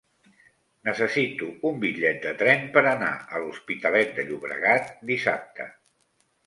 Necessito un bitllet de tren per anar a l'Hospitalet de Llobregat dissabte.